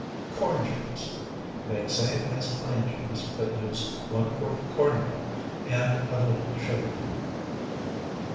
CORN GEMS Make same as plain gems, but use one fourth corn meal and a little sugar.